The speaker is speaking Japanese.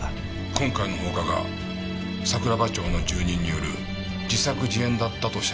今回の放火が桜庭町の住人による自作自演だったとおっしゃるんですか？